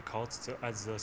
karena asal g dua puluh adalah